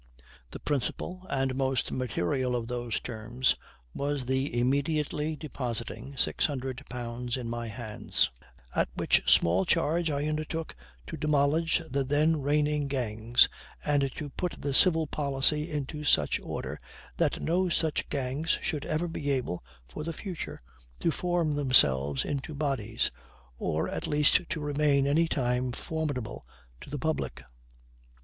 The principal and most material of those terms was the immediately depositing six hundred pound in my hands; at which small charge I undertook to demolish the then reigning gangs, and to put the civil policy into such order, that no such gangs should ever be able, for the future, to form themselves into bodies, or at least to remain any time formidable to the public.